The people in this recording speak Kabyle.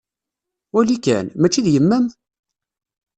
Wali kan! Mačči d yemma-m?